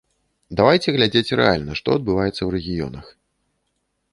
Давайце глядзець рэальна, што адбываецца ў рэгіёнах.